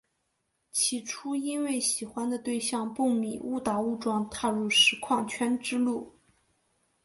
当初因为喜欢的对象蹦米误打误撞踏入实况圈之路。